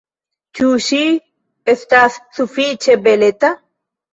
Ĉu ŝi ne estas sufiĉe beleta?